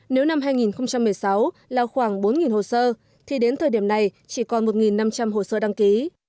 nếu năm hai nghìn một mươi sáu là khoảng bốn hồ sơ thì đến thời điểm này chỉ còn một năm trăm linh hồ sơ đăng ký